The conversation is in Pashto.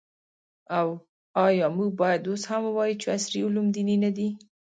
او آیا موږ باید اوس هم ووایو چې عصري علوم دیني نه دي؟